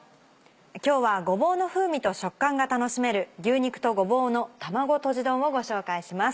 今日はごぼうの風味と食感が楽しめる「牛肉とごぼうの卵とじ丼」をご紹介します。